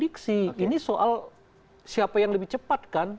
diksi ini soal siapa yang lebih cepat kan